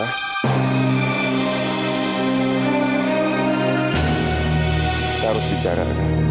kita harus bicara